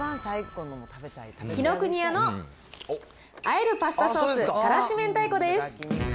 紀ノ国屋のあえるパスタソース辛子明太子です。